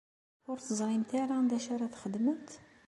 Ur teẓrimt ara d acu ara txedmemt?